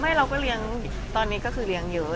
เราก็เลี้ยงตอนนี้ก็คือเลี้ยงเยอะ